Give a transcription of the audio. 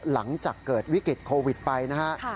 หลังจากเกิดวิกฤตโควิดไปนะฮะ